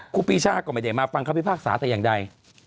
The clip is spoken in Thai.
ครูปีชาก็ไม่ได้มาฟังคำพิพากษาแต่อย่างใด